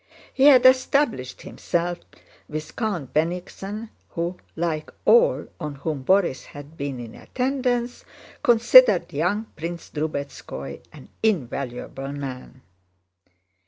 He had established himself with Count Bennigsen, who, like all on whom Borís had been in attendance, considered young Prince Drubetskóy an invaluable man.